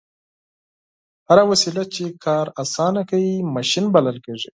هره وسیله چې کار اسانه کوي ماشین بلل کیږي.